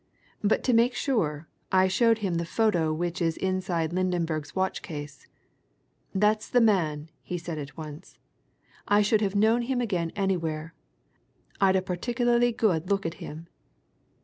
But to make sure, I showed him the photo which is inside Lydenberg's watch case. 'That's the man!' he said at once. 'I should have known him again anywhere I'd a particularly good look at him.'